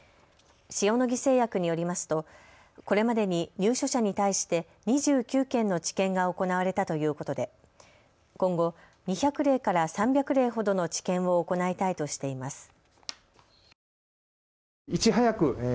塩野義製薬によりますとこれまでに入所者に対して２９件の治験が行われたということで今後、２００例から３００例ほどの治験を行いたいとしています。